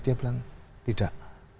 dia bilang tidak